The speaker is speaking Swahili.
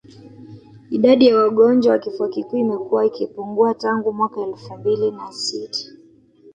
Idadi ya wagonjwa wa kifua kikuu imekuwa ikipungua tangu mwaka elfu mbili na sita